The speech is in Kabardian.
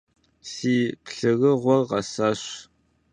Си плъырыгъуэр къэсащ.